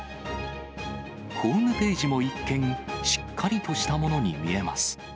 ホームページも一見、しっかりとしたものに見えます。